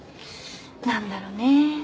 何だろね